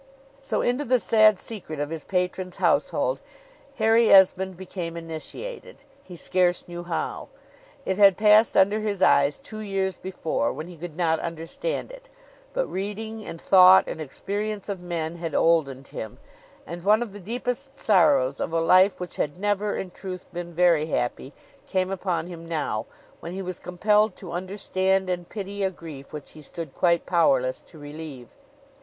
So, into the sad secret of his patron's household, Harry Esmond became initiated, he scarce knew how. It had passed under his eyes two years before, when he could not understand it; but reading, and thought, and experience of men, had oldened him; and one of the deepest sorrows of a life which had never, in truth, been very happy, came upon him now, when he was compelled to understand and pity a grief which he stood quite powerless to relieve.